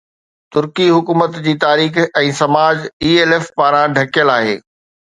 ترڪي حڪومت جي تاريخ ۽ سماج ELF پاران ڍڪيل آهي